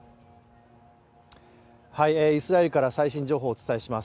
イスラエルから最新情報をお伝えします。